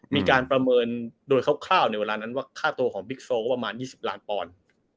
มีการประเมินโดยคร่าวในเวลานั้นว่าค่าตัวของบิ๊กโซก็ประมาณ๒๐ล้านปอนด์